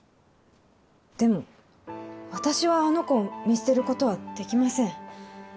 でも私はあの子を見捨てることはできません。